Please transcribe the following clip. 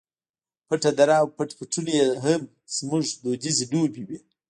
پټه دره او پټ پټونی یې هم زموږ دودیزې لوبې وې.